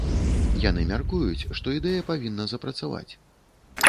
Яны мяркуюць, што ідэя павінна запрацаваць.